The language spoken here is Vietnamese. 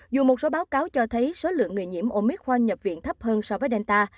dù một số báo cáo cho thấy số lượng người nhiễm omicron nhập viện thấp hơn so với delta